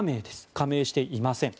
加盟していません。